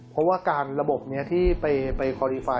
เพราะว่าการระบบนี้ที่ไปคอรีไฟล